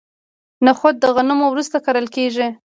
نخود د غنمو وروسته کرل کیږي.